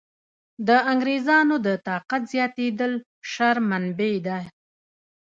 د انګرېزانو د طاقت زیاتېدل شر منبع ده.